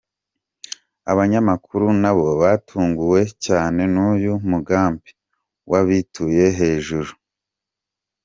Abanyamakuru nabo batunguwe cyane n’uyu mugambii wabituye hejuru.